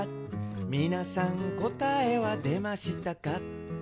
「みなさんこたえはでましたか？」